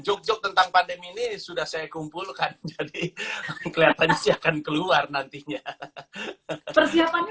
jog jog tentang pandemi ini sudah saya kumpulkan jadi kelihatan sih akan keluar nantinya persiapannya